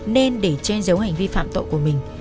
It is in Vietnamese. nên để che giấu hành vi phạm tội của mình